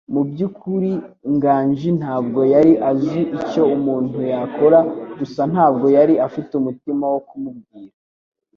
Mu byukuri, Nganji ntabwo yari azi icyo umuntu yakora; gusa ntabwo yari afite umutima wo kumubwira.